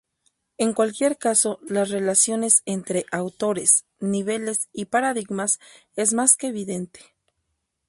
En cualquier caso las relaciones entre autores, niveles y paradigmas es más que evidente.